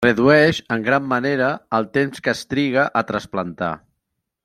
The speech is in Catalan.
Redueix en gran manera el temps que es triga a trasplantar.